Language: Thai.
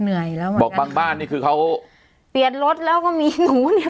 เหนื่อยแล้วอ่ะบอกบางบ้านนี่คือเขาเปลี่ยนรถแล้วก็มีหนูเนี่ย